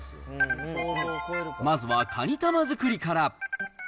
まずはかに玉作りから。